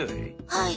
はい。